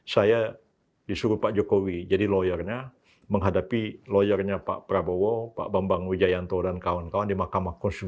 saya disuruh pak jokowi jadi lawyernya menghadapi lawyernya pak prabowo pak bambang wijayanto dan kawan kawan di mahkamah konstitusi